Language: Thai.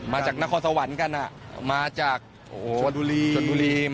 มาจากนครสวรรค์กันอ่ะมาจากโชดูรีมาใกล้มากครับ